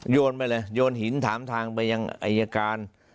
โยนไปเลยโยนหินถามทางไปยังอายการ